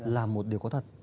là một điều có thật